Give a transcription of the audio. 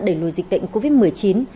đẩy lùi dịch bệnh covid một mươi chín